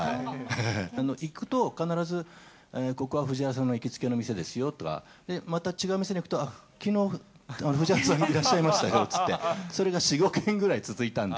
行くと必ず、ここは藤原さんの行きつけの店ですよとか、また違う店に行くと、あっ、きのう、藤原さんがいらっしゃいましたよって言われて、それが４、５軒ぐらい続いたんで。